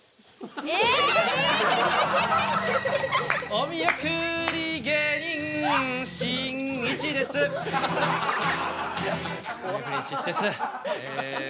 お見送り芸人しんいちですえ